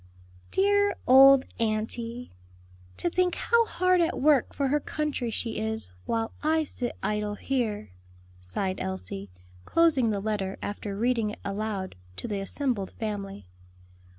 "Dear old auntie! to think how hard at work for her country she is, while I sit idle here," sighed Elsie, closing the letter after reading it aloud to the assembled family.